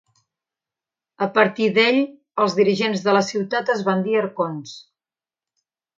A partir d'ell els dirigents de la ciutat es van dir arconts.